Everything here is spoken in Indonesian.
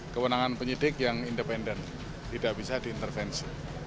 kewenangan penyidik yang independen tidak bisa diintervensi